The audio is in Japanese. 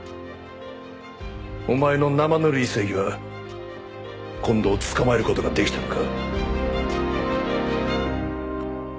お前の生ぬるい正義は近藤を捕まえる事ができたのか？